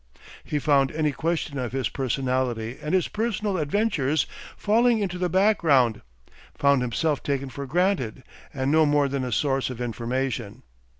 He found any question of his personality and his personal adventures falling into the background, found himself taken for granted, and no more than a source of information.